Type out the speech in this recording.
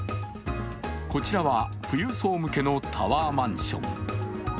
こちらは富裕層向けのタワーマンション。